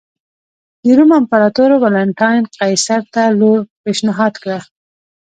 د روم امپراتور والنټیناین قیصر ته لور پېشنهاد کړه.